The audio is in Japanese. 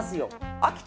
秋田